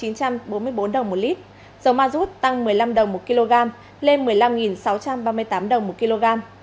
giá dầu ma rút tăng một mươi năm đồng một kg lên một mươi năm sáu trăm ba mươi tám đồng một kg